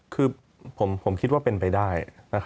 คือผมคิดว่าเป็นไปได้